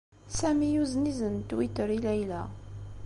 Sami yuzen izen n Twitter i Layla.